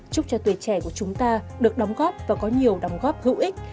chúc cho tuổi trẻ của chúng ta được đóng góp và có nhiều đóng góp hữu ích